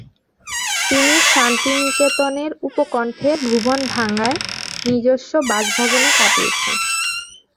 তিনি শান্তিনিকেতনের উপকণ্ঠে ভুবনডাঙায় নিজস্ব বাসভবনে কাটিয়েছেন ।